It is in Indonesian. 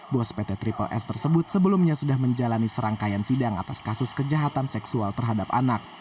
bos pt triple s tersebut sebelumnya sudah menjalani serangkaian sidang atas kasus kejahatan seksual terhadap anak